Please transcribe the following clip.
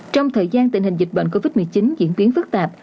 trong thời gian tình hình dịch bệnh covid một mươi chín diễn biến phức tạp